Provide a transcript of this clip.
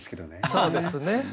そうですね。